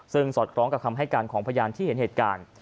ซึ่งสอดคล้องกับคำให้การของพยานที่เห็นเหตุการณ์